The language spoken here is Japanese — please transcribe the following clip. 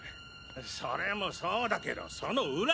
・それもそうだけどそのウラ！